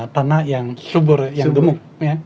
tanah yang subur yang gemuk